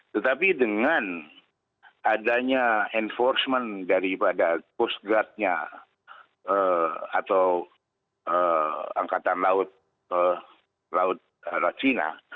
tetapi dengan adanya enforcement daripada post guard nya atau angkatan laut laut china